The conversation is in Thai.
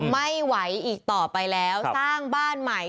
ไม่ไหวอีกต่อไปแล้วสร้างบ้านใหม่